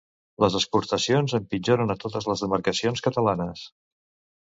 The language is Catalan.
Les exportacions empitjoren a totes les demarcacions catalanes.